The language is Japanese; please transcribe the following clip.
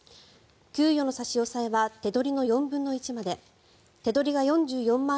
給与の差し押さえは手取りの４分の１まで手取りが４４万